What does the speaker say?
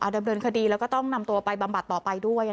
ดำเนินคดีแล้วก็ต้องนำตัวไปบำบัดต่อไปด้วย